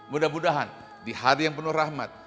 mudah mudahan di hari yang penuh rahmat